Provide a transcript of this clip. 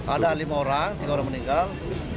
ada lima orang tiga orang meninggal